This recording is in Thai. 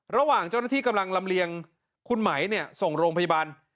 ระหว่างเจ้าหน้าที่กำลังลำเลียงคุณไหมส่งโรงพยาบาล